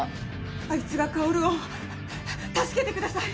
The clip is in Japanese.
あいつが薫を助けてください！